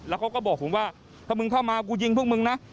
แล้วเขาก็บอกผมว่าถ้ามึงเข้ามากูยิงพวกมึงนะ